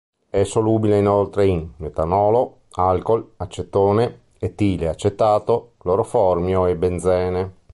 È solubile inoltre in metanolo, alcool, acetone, etile acetato, cloroformio e benzene.